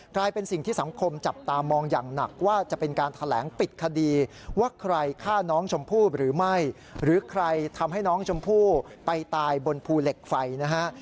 กลายเป็นสิ่งที่สังคมจับตามองอย่างหนักว่าจะเป็นการแถลงปิดคดีว่าใครฆ่าน้องชมพู่หรือไม่หรือใครทำให้น้องชมพู่ไปตายบนภูเหล็กไฟนะฮะ